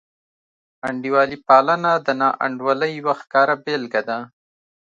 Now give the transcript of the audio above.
انډیوالي پالنه د ناانډولۍ یوه ښکاره بېلګه ده.